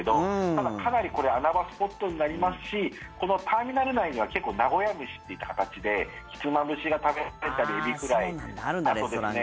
ただ、かなり、これ穴場スポットになりますしこのターミナル内には結構、名古屋飯といった形でひつまぶしが食べられたりエビフライ、あとですね。